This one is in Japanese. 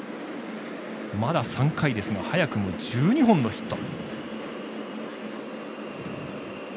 まだ３回ですが早くも１２本のヒット。